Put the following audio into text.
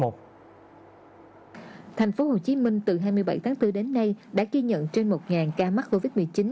thành phố hồ chí minh từ hai mươi bảy tháng bốn đến nay đã ghi nhận trên một ca mắc covid một mươi chín